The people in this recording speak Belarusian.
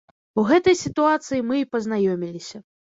У гэтай сітуацыі мы і пазнаёміліся.